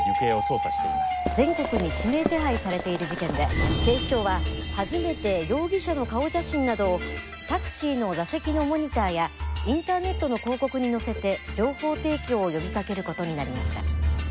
全国に指名手配されている事件で警視庁は初めて容疑者の顔写真などをタクシーの座席のモニターやインターネットの広告に載せて情報提供を呼びかける事になりました。